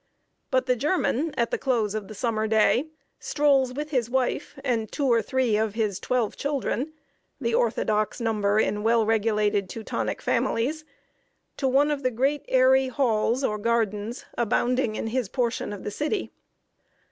But the German, at the close of the summer day, strolls with his wife and two or three of his twelve children (the orthodox number in well regulated Teutonic families) to one of the great airy halls or gardens abounding in his portion of the city.